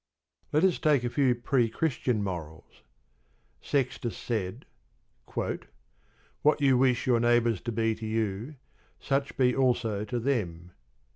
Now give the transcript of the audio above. Let us take a few pre Christian morals. Sextus said: "What you wish your neighbours to be to you, such be also to them."